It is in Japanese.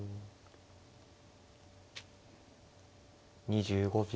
２５秒。